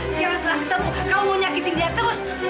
sekarang setelah ketemu kamu mau nyakitin dia terus